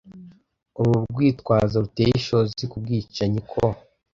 urwitwazo ruteye ishozi kubwicanyi ko